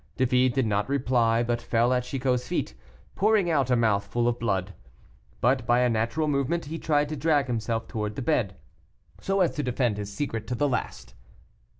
David did not reply, but fell at Chicot's feet, pouring out a mouthful of blood. But by a natural movement he tried to drag himself towards his bed, so as to defend his secret to the last.